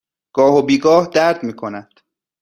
گاه و بیگاه درد می کند.